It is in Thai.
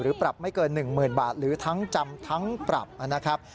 ปรับไม่เกิน๑๐๐๐บาทหรือทั้งจำทั้งปรับนะครับ